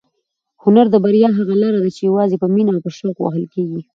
هنر د بریا هغه لاره ده چې یوازې په مینه او شوق وهل کېږي.